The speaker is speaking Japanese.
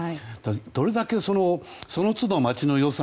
どれだけその都度、町の予算